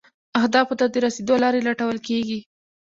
اهدافو ته د رسیدو لارې لټول کیږي.